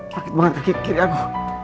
sakit banget kaki kiri aku